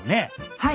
はい。